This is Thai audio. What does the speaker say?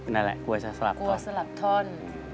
นั่นแหละกลัวสลับท่อน